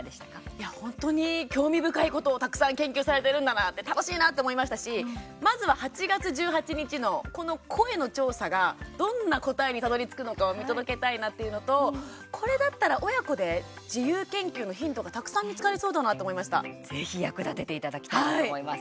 いや本当に興味深いことをたくさん研究されてるんだなって楽しいなって思いましたしまずは８月１８日のこの声の調査がどんな答えにたどりつくのかを見届けたいなというのとこれだったら親子で自由研究のヒントがたくさんぜひ役立てていただきたいなと思います。